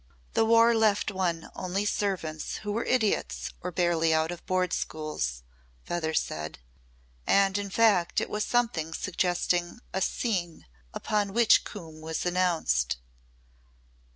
The War left one only servants who were idiots or barely out of Board Schools, Feather said. And in fact it was something suggesting "a scene" upon which Coombe was announced.